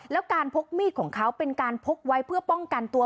แล้วการพกมีดของเขาเป็นการพกไว้เพื่อป้องกันตัว